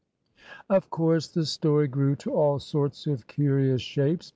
Of course the story grew to all sorts of curious shapes.